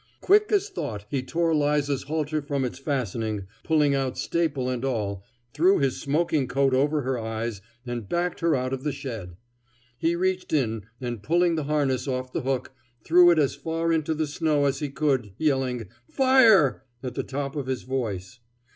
Quick as thought, he tore 'Liza's halter from its fastening, pulling out staple and all, threw his smoking coat over her eyes, and backed her out of the shed. He reached in, and pulling the harness off the hook, threw it as far into the snow as he could, yelling "Fire!" at the top of his voice.